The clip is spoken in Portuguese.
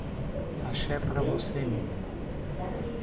Axé pra você menina.